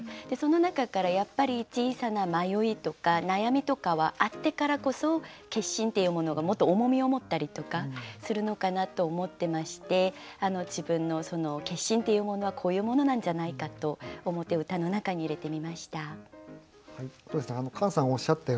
その中からやっぱり小さな迷いとか悩みとかはあったからこそ決心っていうものがもっと重みを持ったりとかするのかなと思ってまして自分の決心っていうものはこういうものなんじゃないかと思って歌の中に入れてみました。